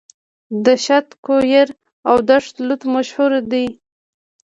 دشت کویر او دشت لوت مشهورې دي.